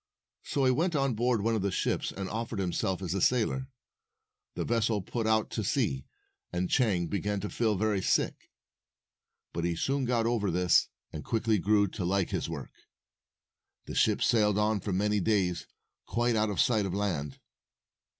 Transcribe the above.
So he went on board one of the ships and offered himself as a sailor. The vessel put out to sea, and Chang began to feel very sick. But he soon got over this, and quickly grew to like his work. The ship sailed on for many days, quite out of sight of land.